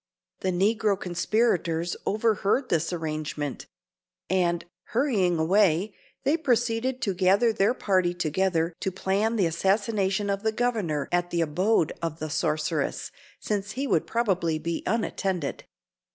The negro conspirators overheard this arrangement; and, hurrying away, they proceeded to gather their party together to plan the assassination of the Governor at the abode of the sorceress, since he would probably be unattended.